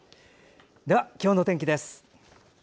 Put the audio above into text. では、今日の天気です。